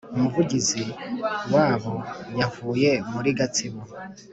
umuvugizi wa bobo yavuye muri gatsibo